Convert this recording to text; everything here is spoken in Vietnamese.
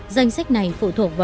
danh sách này phụ thuộc vào